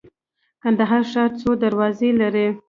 کندهار ښار څو دروازې لري؟